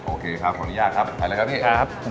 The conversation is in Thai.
โอเคครับขออนุญาตครับไปแล้วครับพี่